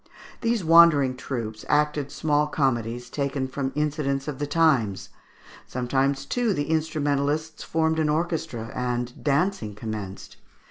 These wandering troops acted small comedies, taken from incidents of the times. Sometimes, too, the instrumentalists formed an orchestra, and dancing commenced.